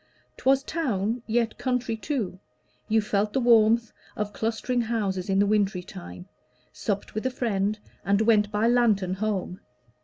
'Twas town, yet country too: you felt the warmth Of clustering houses in the wintry time: Supped with a friend, and went by lantern home.